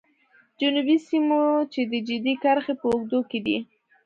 جنوبي سیمو چې د جدي کرښې په اوږدو کې دي.